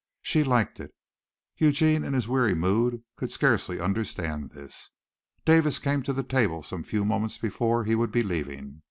She liked it. Eugene in his weary mood could scarcely understand this. Davis came to the table some few moments before he would be leaving.